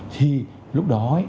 thì lúc đó